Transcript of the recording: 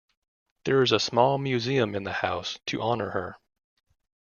There is a small museum in the house to honour her.